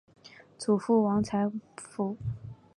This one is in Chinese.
祖父王才甫。